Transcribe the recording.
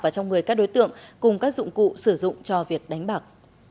và trong người các đối tượng cùng các dụng cụ sử dụng cho việc đánh bạc